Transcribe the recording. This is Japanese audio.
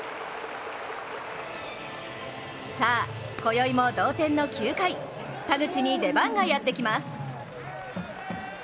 さあ、今宵も同点の９回田口に出番がやってきます。